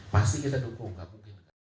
pasti kita dukung